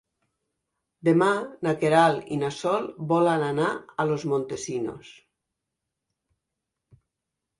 Demà na Queralt i na Sol volen anar a Los Montesinos.